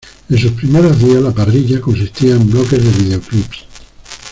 En sus primeros días la parrilla consistía en bloques de videoclips.